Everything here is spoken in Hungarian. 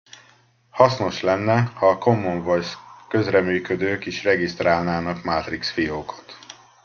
Hasznos lenne, ha a Common Voice közreműködők is regisztrálnának Matrix fiókot.